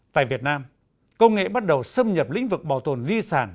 tại việt nam công nghệ bắt đầu xâm nhập lĩnh vực bảo tồn di sản